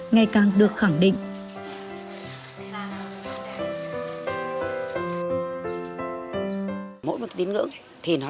ngày càng được khẳng định